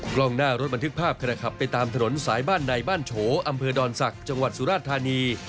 กล้องหน้ารถบันทึกภาพขณะขับไปตามถนนสายบ้านใดบ้านโฉอำเภอดอนศักดิ์จังหวัดสุราชธานี